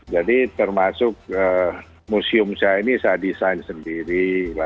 jadi termasuk museum saya ini saya desain sendiri